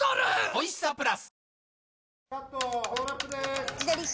おいしさプラス